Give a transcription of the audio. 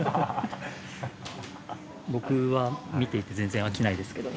僕は見ていて全然飽きないですけど。